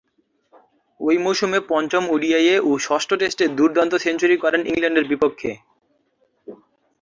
ঐ মৌসুমে পঞ্চম ওডিআইয়ে ও ষষ্ঠ টেস্টে দূর্দান্ত সেঞ্চুরি করেন ইংল্যান্ডের বিপক্ষে।